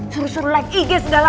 suruh suruh like ig segala